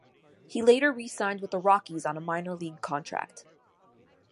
He later re-signed with the Rockies on a minor league contract.